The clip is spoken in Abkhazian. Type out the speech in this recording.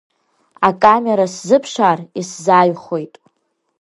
Акамера сзыԥшаар, исзааихәоит.